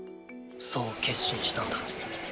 そう決心したんだ。